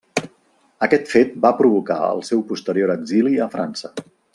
Aquest fet va provocar el seu posterior exili a França.